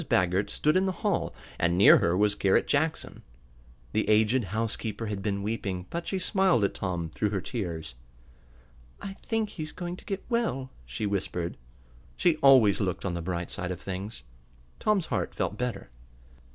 Baggert stood in the hall, and near her was Garret Jackson. The aged housekeeper had been weeping, but she smiled at Tom through her tears. "I think he's going to get well," she whispered. She always looked on the bright side of things. Tom's heart felt better.